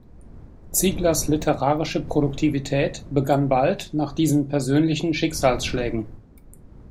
Zieglers literarische Produktivität begann bald nach diesen persönlichen Schicksalsschlägen.